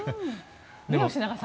吉永さん